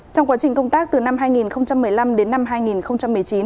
trong quá trình công tác từ năm hai nghìn một mươi năm đến năm hai nghìn một mươi chín